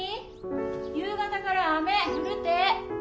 夕方から雨降るて！